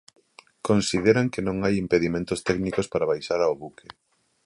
Consideran que non hai impedimentos técnicos para baixar ao buque.